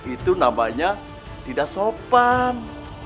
itu namanya tidak sopan